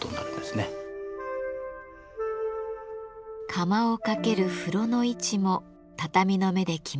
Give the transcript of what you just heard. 釜をかける風炉の位置も畳の目で決められています。